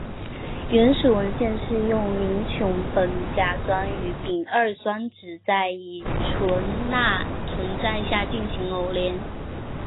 原始文献是用邻溴苯甲酸与丙二酸酯在乙醇钠存在下进行偶联。